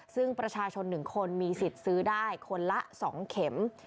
ซึ่งประชาชน๑คนมีสิทธิ์ซื้อได้คนละ๒เข็ม